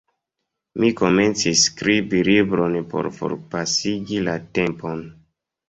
Mi komencis skribi libron por forpasigi la tempon.